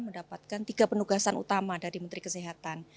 mendapatkan tiga penugasan utama dari menteri kesehatan